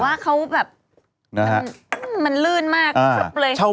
หรือว่าเขาแบบมันลื่นมากครบเลย